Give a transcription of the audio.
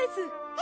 え！